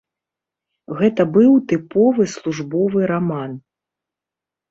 Гэта быў тыповы службовы раман.